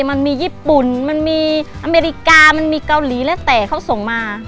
มันมีญี่ปุ่นมันมีอเมริกามันมีเกาหลีแล้วแต่เขาส่งมา